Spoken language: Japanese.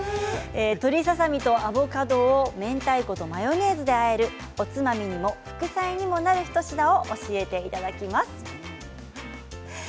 鶏ささ身とアボカドを明太子とマヨネーズであえるおつまみにも副菜にもなる一品を教えていただきます。